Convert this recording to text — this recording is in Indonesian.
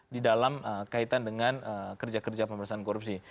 di dalam kaitan dengan kerja kerja pemerintahan korupsi